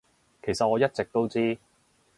其實我一直都知